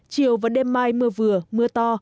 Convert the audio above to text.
chiều và đêm mai mưa vừa mưa to